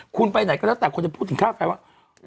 คุณไปไหนก็แล้วแต่คนจะพูดถึงค่าไฟว่า